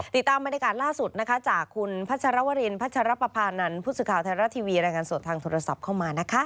ติดตามบรรยากาศล่าสุดนะคะจากคุณพัชรวรินพัชรปภานันทร์ผู้สื่อข่าวไทยรัฐทีวีรายงานสดทางโทรศัพท์เข้ามานะคะ